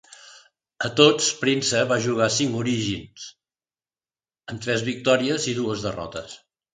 A tots Prince va jugar cinc Origins, amb tres victòries i dues derrotes.